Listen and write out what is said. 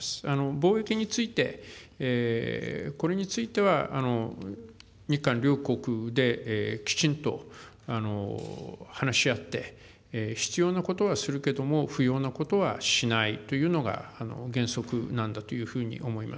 貿易について、これについては、日韓両国できちんと話し合って、必要なことはするけれども、不要なことはしないというのが原則なんだというふうに思います。